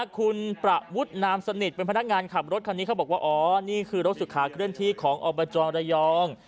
คุณประมุทนามสนิทเป็นพนักงานขับรถคันนี้เขาบอกว่าอ๋อนี่คือรถสุขาเคลื่อนที่ของอบจระยอง